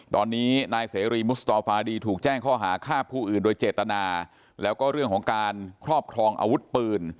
ตอนนี้นายเสรีมุสตอฟาดีถูกแจ้งข้อหาฆ่าผู้อื่นโดยเจตนาแล้วก็เรื่องของการครอบครองอาวุธปืน